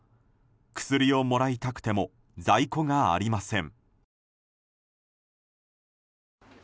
薬をもらいたくても在庫がありません。